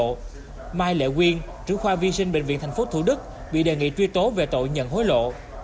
phạm mai lệ quyên trưởng khoa vi sinh bệnh viện thành phố thủ đức bị đề nghị truy tố về tội nhận hối lộ